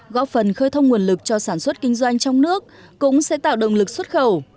góp phần khơi thông nguồn lực cho sản xuất kinh doanh trong nước cũng sẽ tạo động lực xuất khẩu